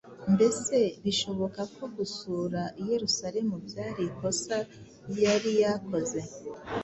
Mbese bishoboka ko gusura i Yerusalemu ryari ikosa yari yakoze?